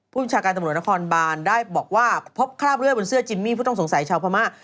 ผู้บัญชาการตำรวจนครบานได้บอกว่าพบคราบเลือดบนเสื้อจิมมี่ผู้ต้องสงสัยชาวพม่า